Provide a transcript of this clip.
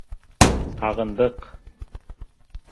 Һағындыҡ!